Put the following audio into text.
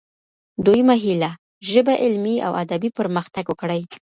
دويمه هيله: ژبه علمي او ادبي پرمختګ وکړي.